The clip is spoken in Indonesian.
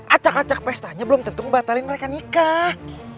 acak acak bestanya belum tentu ngebatalin mereka nikah